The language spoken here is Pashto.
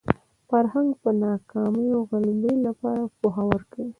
فرهنګ پر ناکامیو غلبې لپاره پوهه ورکوي